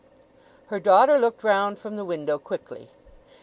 Her daughter looked round from the window quickly.